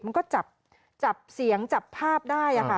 มันก็จับเสียงจับภาพได้ค่ะ